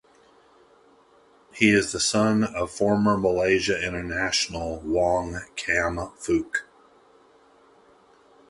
He is the son of former Malaysia international Wong Kam Fook.